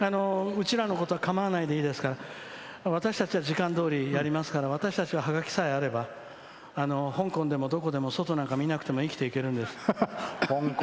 うちらのことは構わないでいいですから、私たちは時間どおりやりますから私たちはハガキさえあれば香港でもどこでも外なんか見なくても生きていけるんです。